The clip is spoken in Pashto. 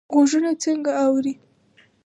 غوږونه څنګه اوري؟